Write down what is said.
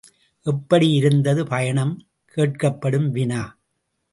எப்படி இருந்தது பயணம்? கேட்கப்படும் வினா.